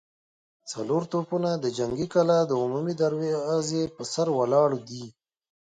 څلور توپونه د جنګي کلا د عمومي دروازې پر سر ولاړ دي.